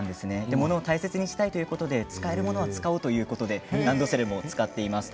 物を大切にしたいっていうことで使えるものは使おうということでランドセルも使っています。